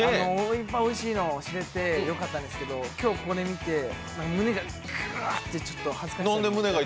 いっぱいおいしいのを知れてよかったんですけど今日ここで見て、胸がクワって恥ずかしさで。